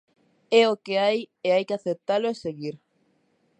É o que hai e hai que aceptalo e seguir.